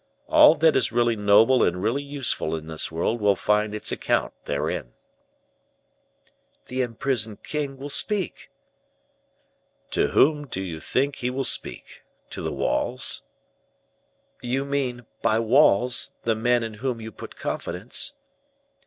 All that is really noble and really useful in this world will find its account therein." "The imprisoned king will speak." "To whom do you think he will speak to the walls?" "You mean, by walls, the men in whom you put confidence."